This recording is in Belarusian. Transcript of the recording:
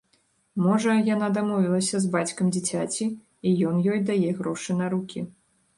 Можа, яна дамовілася з бацькам дзіцяці, і ён ёй дае грошы на рукі.